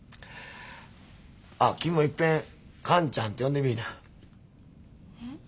ああ君もいっぺん完ちゃんて呼んでみいな。えっ？